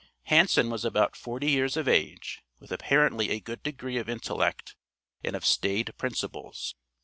Hanson was about forty years of age, with apparently a good degree of intellect, and of staid principles.